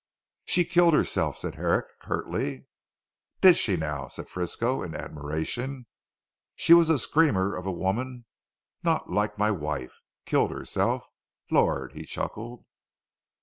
"She killed herself," said Herrick curtly. "Did she now," said Frisco in admiration, "she was a screamer of a woman not like my wife. Killed herself. Lord," he chuckled.